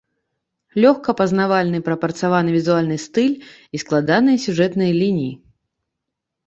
Лёгка пазнавальны прапрацаваны візуальны стыль і складаныя сюжэтныя лініі.